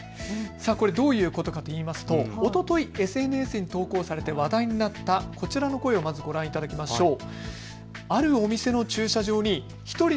これどういうことかといいますとおとといＳＮＳに投稿されて話題になったこちらの声をまずご覧いただきましょう。